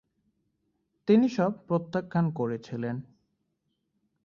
তিনি সব প্রত্যাখ্যান করেছিলেন।